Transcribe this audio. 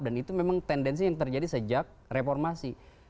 dan itu memang tendensi yang terjadi sejak reformasi